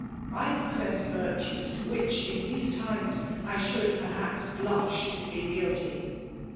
I possess virtues to which, ih these titties, I should perhaps blush to plead guilty.